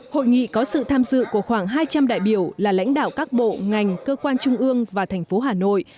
hội nghị có sự tham dự của khoảng hai trăm linh đại biểu là lãnh đạo các bộ ngành cơ quan trung ương và thành phố hà nội